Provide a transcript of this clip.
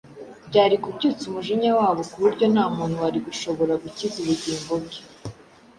byari kubyutsa umujinya wabo ku buryo nta muntu wari gushobora gukiza ubugingo bwe.